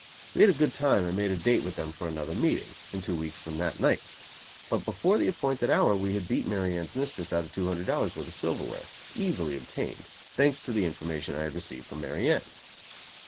We had a good time, and made a date with them for another meeting, in two weeks from that night; but before the appointed hour we had beat Mary Anne's mistress out of two hundred dollars worth of silverware, easily obtained, thanks to the information I had received from Mary Anne.